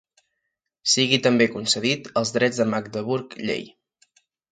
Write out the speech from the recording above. Sigui també concedit els drets de Magdeburg llei.